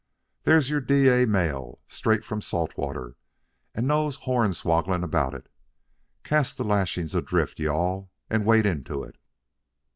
There's your Dyea mail, straight from Salt Water, and no hornswogglin about it! Cast the lashings adrift, you all, and wade into it!"